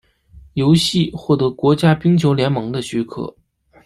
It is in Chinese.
游戏获得国家冰球联盟的许可。